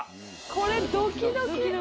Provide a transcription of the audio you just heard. これドキドキ。